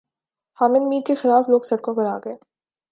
حامد میر کے خلاف لوگ سڑکوں پر آگۓ